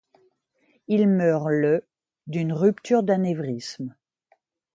Il meurt le d’une rupture d’anévrisme.